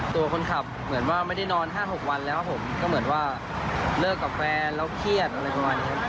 ตัวคนขับเหมือนว่าไม่ได้นอน๕๖วันแล้วผมก็เหมือนว่าเลิกกับแฟนแล้วเครียดอะไรประมาณนี้ครับ